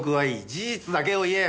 事実だけを言え。